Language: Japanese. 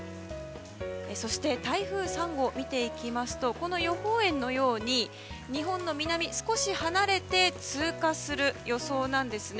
そして台風３号を見ていきますとこの予報円のように、日本の南少し離れて通過する予想なんですね。